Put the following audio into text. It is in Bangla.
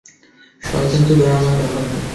শয়তান তো দয়াময়ের অবাধ্য।